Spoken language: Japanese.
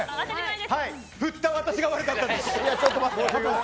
振った私が悪かったです。